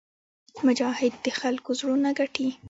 مجاهد د خلکو زړونه ګټي.